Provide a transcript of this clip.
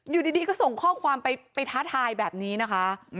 อยู่ดีก็ส่งข้อความไปท้าทายแบบนี้นะคะ